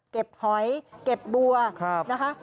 หอยเก็บบัวนะคะ